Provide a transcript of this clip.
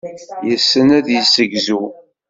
Yessen ad yessegzu.